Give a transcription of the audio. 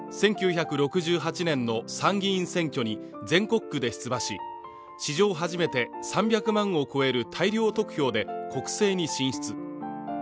１９６８年の参議院選挙に全国区で出馬し、史上初めて３００万を超える大量得票で国政に進出。